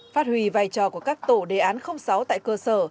phát huy vai trò của các tổ đề án sáu tại cơ sở